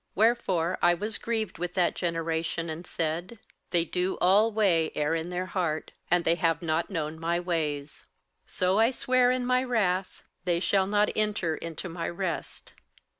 58:003:010 Wherefore I was grieved with that generation, and said, They do alway err in their heart; and they have not known my ways. 58:003:011 So I sware in my wrath, They shall not enter into my rest.)